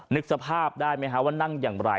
นึกสภาพได้ไหมฮะว่านั่งอย่างไร